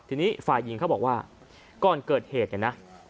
ทีนี้ฝ่ายหญิงเขาบอกว่าก่อนเกิดเหตุเนี่ยนะ